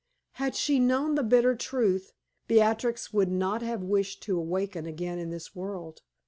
Had she known the bitter truth, Beatrix would not have wished to awaken again in this world.